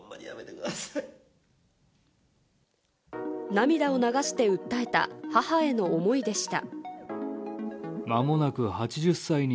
涙を流して訴えた母への思いでした。